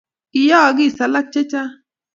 Kiyookis alak chechang